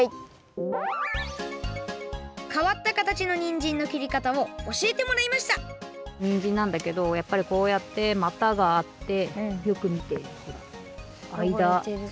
変わった形のにんじんのきりかたをおしえてもらいましたにんじんなんだけどやっぱりこうやってまたがあってよくみてほらあいだ。